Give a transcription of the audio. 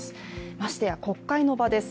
ましてや国会の場です。